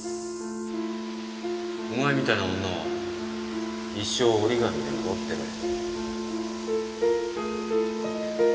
お前みたいな女は一生折り紙でも折ってろよ。